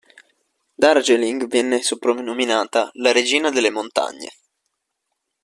Darjeeling venne soprannominata "la regina delle montagne".